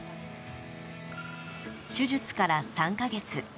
手術から３か月。